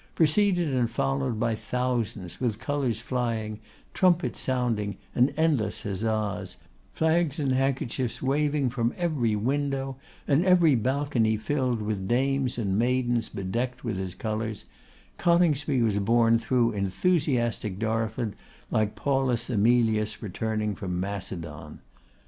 Preceded and followed by thousands, with colours flying, trumpets sounding, and endless huzzas, flags and handkerchiefs waving from every window, and every balcony filled with dames and maidens bedecked with his colours, Coningsby was borne through enthusiastic Darlford like Paulus Emilius returning from Macedon.